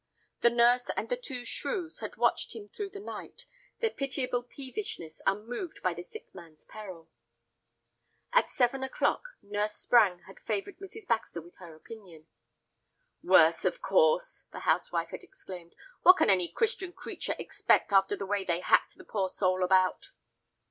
The nurse and the two shrews had watched by him through the night, their pitiable peevishness unmoved by the sick man's peril. At seven o'clock Nurse Sprange had favored Mrs. Baxter with her opinion. "Worse, of course!" the housewife had exclaimed; "what can any Christian creature expect after the way they hacked the poor soul about?"